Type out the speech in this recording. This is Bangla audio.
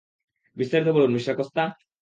বিস্তারিত বলুন, মিঃ কস্তা?